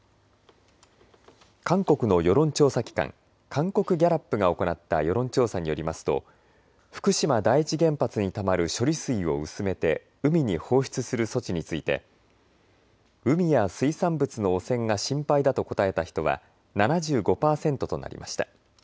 韓国の世論調査機関、韓国ギャラップが行った世論調査によりますと福島第一原発にたまる処理水を薄めて海に放出する措置について海や水産物の汚染が心配だと答えた人は７５％となりました。